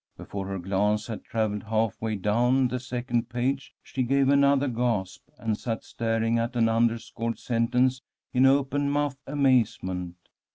Before her glance had travelled half way down the second page, she gave another gasp, and sat staring at an underscored sentence in open mouthed amazement.